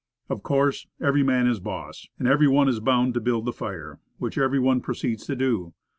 Of course, every man is boss, and every one is bound to build the fire, which every one proceeds to do.